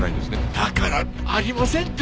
だからありませんって！